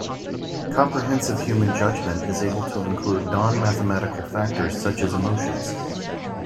Comprehensive human judgment is able to include non-mathematical factors such as emotions.